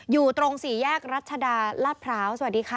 อยู่ตรงสี่แยกรัชดาลาดพร้าวสวัสดีค่ะ